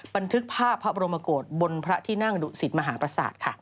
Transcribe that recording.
บันทึกภาพพระบรมโมโกรธบนพระที่น่างดุสิทธิ์มหาประสาท